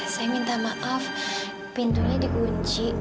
saya minta maaf pintunya dikunci